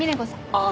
ああ。